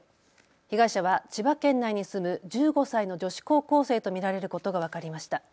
被害者は千葉県内に住む１５歳の女子高校生と見られることが分かりました。